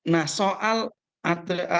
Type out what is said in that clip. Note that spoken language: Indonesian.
nah soal adanya